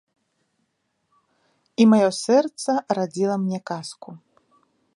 І маё сэрца радзіла мне казку.